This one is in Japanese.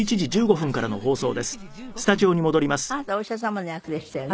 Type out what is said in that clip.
あなたお医者様の役でしたよね？